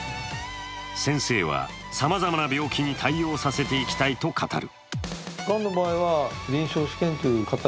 先生は、さまざまな病気に対応させていきたいと語る。